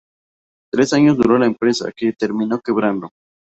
Tres años duró la empresa, que terminó quebrando.